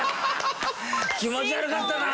気持ち悪かったな